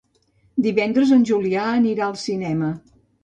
Divendres en Julià anirà al cinema.